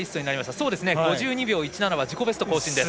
５２秒１７は自己ベスト更新です。